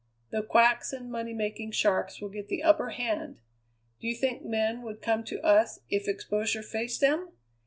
The quacks and money making sharks will get the upper hand. Do you think men would come to us if exposure faced them?